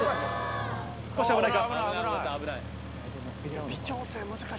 少し危ないか。